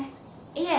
・いえ。